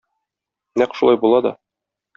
Нәкъ шулай була да.